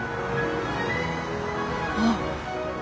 あっ。